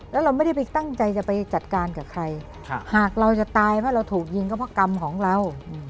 แล้วเราไม่ได้ไปตั้งใจจะไปจัดการกับใครหากเราจะตายเพราะเราถูกยิงก็เพราะกรรมของเรา